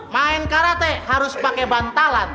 main karate harus pakai bantalan